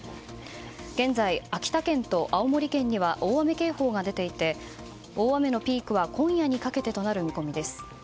現在、秋田県と青森県には大雨警報が出ていて大雨のピークは今夜にかけてとなる見込みです。